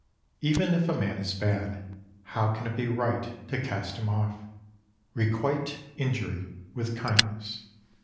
Even if a man is bad, how can it be right to cast him off ? Requite injury with kindness.